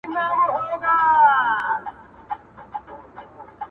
ور سره سم ستا غمونه نا بللي مېلمانه سي،